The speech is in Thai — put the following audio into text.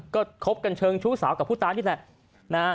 ก็คบกันเชิงชู้สาวกับผู้ตายนี่แหละนะฮะ